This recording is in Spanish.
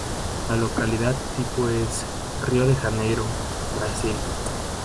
La localidad tipo es: Río de Janeiro, Brasil.